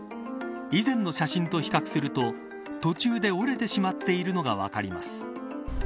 以前の写真と比較すると途中で折れてしまっているのが分かります。